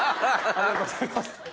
ありがとうございます。